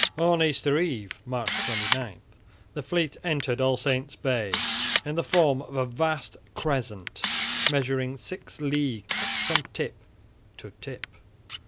On Easter Eve (March 29) the fleet entered All Saints' Bay in the form of a vast crescent measuring six leagues from tip to tip.